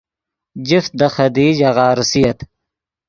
جفت دے خدیئی ژاغہ ریسییت